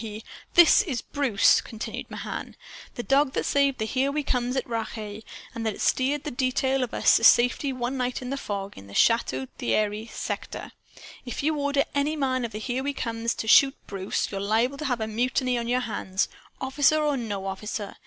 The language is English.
"He " "This is Bruce," continued Mahan, "the dog that saved the 'Here We Comes' at Rache, and that steered a detail of us to safety one night in the fog, in the Chateau Thierry sector. If you order any man of the 'Here We Comes' to shoot Bruce, you're liable to have a mutiny on your hands officer or no officer.